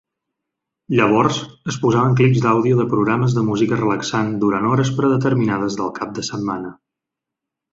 Llavors, es posaven clips d'àudio de programes de música relaxant durant hores predeterminades del cap de setmana.